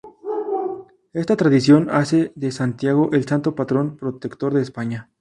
Esta tradición hace de Santiago el santo patrón protector de España.